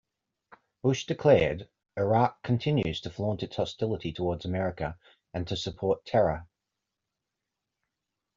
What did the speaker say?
Bush declared, Iraq continues to flaunt its hostility toward America and to support terror.